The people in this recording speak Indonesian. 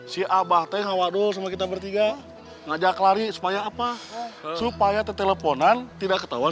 si abah teh ngawado sama kita bertiga ngajak lari supaya apa supaya keteleponan tidak ketahuan